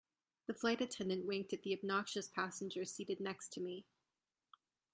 The flight attendant winked at the obnoxious passenger seated next to me.